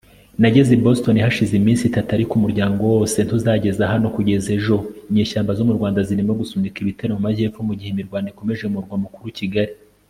Nageze i Boston hashize iminsi itatu ariko umuryango wose ntuzagera hano kugeza ejo Inyeshyamba zo mu Rwanda zirimo gusunika ibitero mu majyepfo mu gihe imirwano ikomeje mu murwa mukuru Kigali